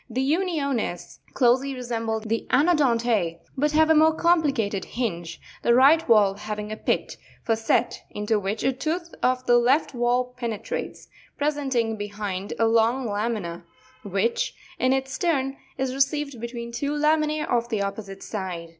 25. The Untonss closely resemble the Anodonte, but have a more complicated hinge, the right valve having a pit (fossette) into which a tooth of the left valve penetrates, presenting behind a long lamina, which, in its turn, is received between two laminz of the opposite side.